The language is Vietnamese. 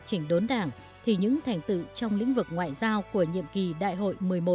chỉnh đốn đảng thì những thành tựu trong lĩnh vực ngoại giao của nhiệm kỳ đại hội một mươi một